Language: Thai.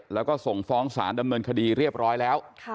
แล้วก็ส่งฟ้องสารดำเนินคดีเรียบร้อยแล้ว